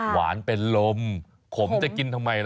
หวานเป็นลมขมจะกินทำไมล่ะ